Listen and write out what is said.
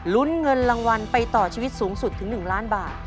ลุ้นเงินรางวัลไปต่อชีวิตสูงสุดถึง๑ล้านบาท